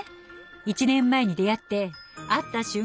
１年前に出会って会った瞬間